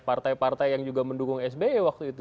partai partai yang juga mendukung sby waktu itu